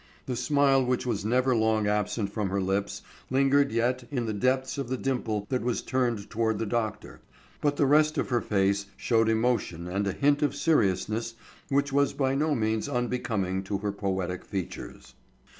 The smile which was never long absent from her lips lingered yet in the depths of the dimple that was turned toward the doctor, but the rest of her face showed emotion and a hint of seriousness which was by no means unbecoming to her poetic features.